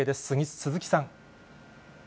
鈴木さん。